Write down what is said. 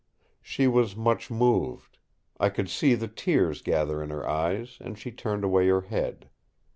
She was much moved. I could see the tears gather in her eyes, and she turned away her head.